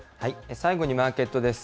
最後にマーケットです。